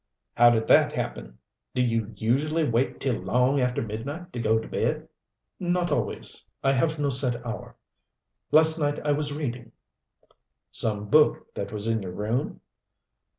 "How did that happen? Do you usually wait till long after midnight to go to bed?" "Not always. I have no set hour. Last night I was reading." "Some book that was in your room?"